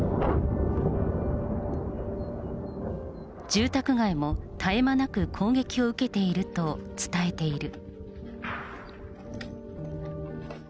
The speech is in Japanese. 住宅街も絶え間なく攻撃を受けていると伝えている。